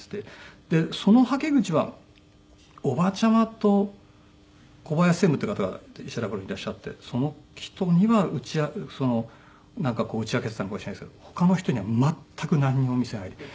そのはけ口はおばちゃまと小林専務っていう方が石原プロにいらっしゃってその人にはそのなんかこう打ち明けてたのかもしれないですけど他の人には全く何も見せないで。